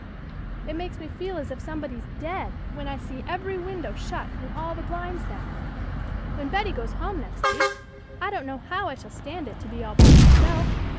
It makes me feel as if somebody's dead when I see every win dow shut and all the blinds down. When Betty goes home next week I don't know how I shall stand it to be all by myself.